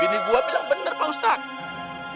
bini gua bilang bener pak ustadz